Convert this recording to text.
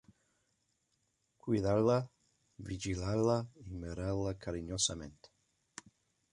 Cuidar-la, vigilar-la i mirar-la carinyosament